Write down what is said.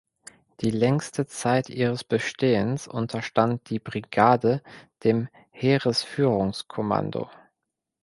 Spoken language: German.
Die längste Zeit ihres Bestehens unterstand die Brigade dem Heeresführungskommando.